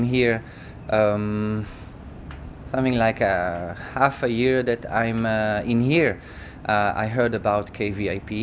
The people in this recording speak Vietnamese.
khoảng một năm sau khi tôi đến đây tôi đã nghe nói về kvip